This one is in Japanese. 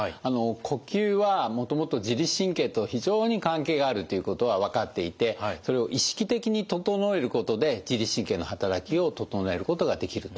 呼吸はもともと自律神経と非常に関係があるということは分かっていてそれを意識的に整えることで自律神経の働きを整えることができると。